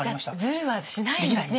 ズルはしないんですね